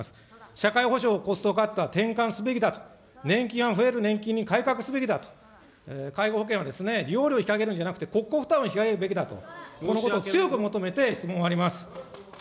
社会保障コストカットは転換すべきだと、年金は増える年金に改革すべきだと、介護保険は利用料を引き上げるんではなくて、国庫負担を引き上げるべきだと、このことを強く求めて質問を終わります。